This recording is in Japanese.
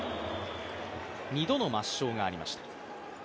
２度の抹消がありました。